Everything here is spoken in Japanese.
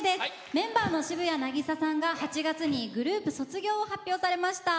メンバーの渋谷凪咲さんが８月にグループ卒業を発表されました。